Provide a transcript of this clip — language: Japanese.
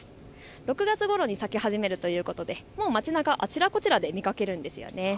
６月ごろに咲き始めるということでもう町なか、あちらこちらで見かけるんです。